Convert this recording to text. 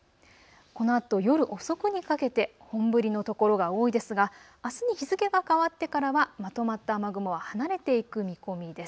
このあと夜遅くにかけて本降りの所が多いですがあすに日付が変わってからはまとまった雨雲は離れていく見込みです。